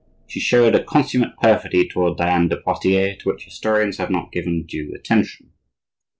She showed a consummate perfidy toward Diane de Poitiers, to which historians have not given due attention.